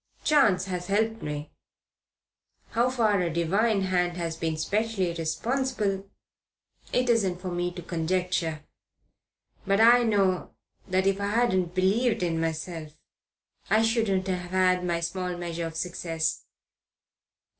Chance has helped me. How far a divine hand has been specially responsible, it isn't for me to conjecture. But I know that if I hadn't believed in myself I shouldn't have had my small measure of success."